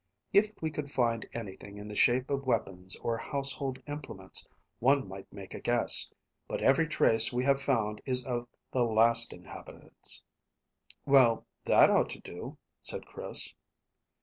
If we could find anything in the shape of weapons or household implements, one might make a guess; but every trace we have found is of the last inhabitants." "Well, that ought to do," said Chris.